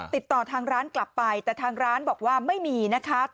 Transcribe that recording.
ติดต่อทางร้านกลับไปแต่ทางร้านบอกว่าไม่มีนะคะ